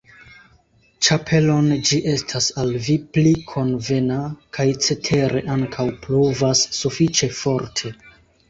ĉapelon, ĝi estas al vi pli konvena, kaj cetere ankaŭ pluvas sufiĉe forte.